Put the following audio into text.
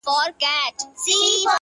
• ستا د غزلونو و شرنګاه ته مخامخ يمه ـ